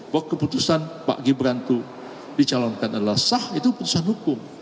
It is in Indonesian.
bahwa keputusan pak gibran itu dicalonkan adalah sah itu putusan hukum